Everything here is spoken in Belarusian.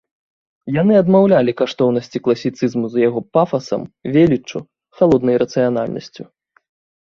Яны адмаўлялі каштоўнасці класіцызму з яго пафасам, веліччу, халоднай рацыянальнасцю.